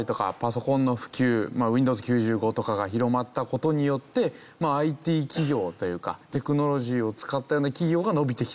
まあＷｉｎｄｏｗｓ９５とかが広まった事によってＩＴ企業というかテクノロジーを使ったような企業が伸びてきた。